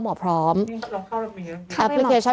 จากที่ตอนแรกอยู่ที่๑๐กว่าศพแล้ว